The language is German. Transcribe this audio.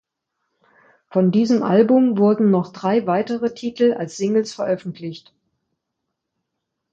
Von diesem Album wurden noch drei weitere Titel als Singles veröffentlicht.